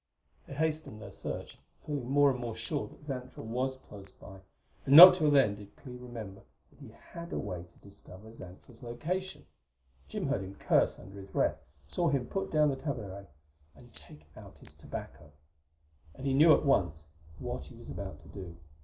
They hastened their search, feeling more and more sure that Xantra was close by. And not till then did Clee remember that he had a way to discover Xantra's location. Jim heard him curse under his breath; saw him put down the tabouret and take out his tobacco; and knew at once what he was about to do.